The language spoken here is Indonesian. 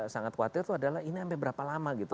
sangat khawatir itu adalah ini sampai berapa lama gitu